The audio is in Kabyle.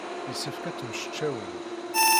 Yessefk ad temmecčawem.